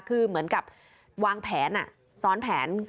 คือเหมือนกับวางแผนซ้อนแผน